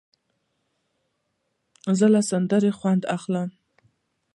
زه له دې سندرې خوند اخلم.